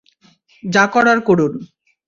যা করার করুন!